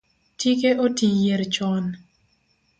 Tike oti yier chon